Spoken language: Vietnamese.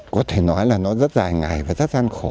có thể nói là nó rất dài ngày và rất gian khổ